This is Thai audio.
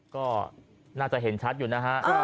ก็น่าจะเห็นชัดอยู่นะฮะ